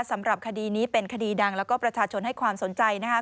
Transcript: สำหรับคดีนี้เป็นคดีดังแล้วก็ประชาชนให้ความสนใจนะครับ